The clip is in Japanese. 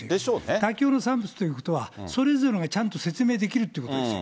妥協の産物ということは、それぞれがちゃんと説明できるってことですよ。